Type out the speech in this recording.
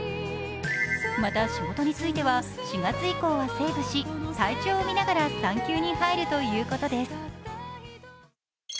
また、仕事については４月以降はセーブし体調を見ながら産休に入るということです。